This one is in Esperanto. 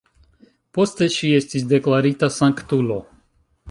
Poste ŝi estis deklarita sanktulo.